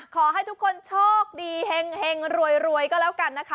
ขอให้ทุกคนโชคดีแห่งรวยก็แล้วกันนะคะ